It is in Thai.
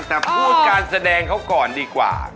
แต่พูดการแสดงเขาก่อนดีกว่า